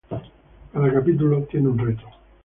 Cada capítulo tiene un reto.